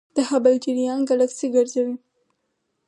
د هبل جریان ګلکسي ګرځوي.